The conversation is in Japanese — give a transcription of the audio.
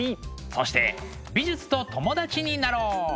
そして美術と友達になろう！